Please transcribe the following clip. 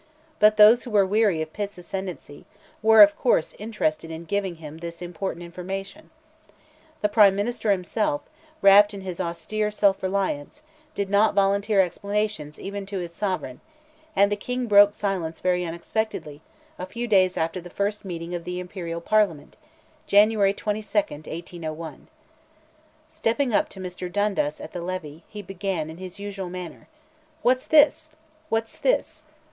But those who were weary of Pitt's ascendancy, were, of course, interested in giving him this important information. The minister himself, wrapped in his austere self reliance, did not volunteer explanations even to his Sovereign, and the King broke silence very unexpectedly, a few days after the first meeting of the Imperial Parliament (January 22nd, 1801). Stepping up to Mr. Dundas at the levee, he began in his usual manner, "What's this? what's this?